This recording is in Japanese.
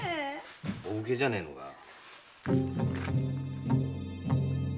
お武家じゃねえのかな。